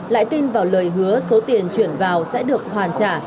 lại tin vào lời hứa số tiền chuyển vào sẽ được hoàn trả